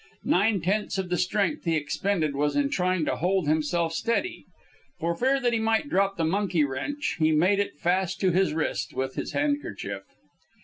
Nine tenths of the strength he expended was in trying to hold himself steady. For fear that he might drop the monkey wrench he made it fast to his wrist with his handkerchief.